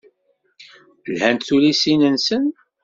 Lhant tullisin-nsen.